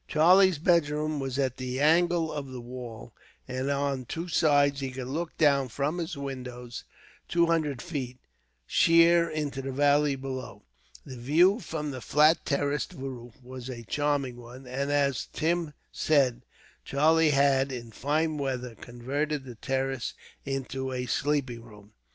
Charlie's bedroom was at the angle of a wall, and on two sides he could look down from his windows, two hundred feet, sheer into the valley below. The view from the flat terraced roof was a charming one, and, as Tim said, Charlie had, in the fine weather, converted the terrace into a sleeping room.